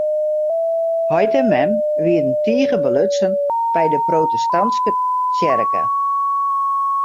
Heit en mem wiene tige belutsen by de protestantske tsjerke.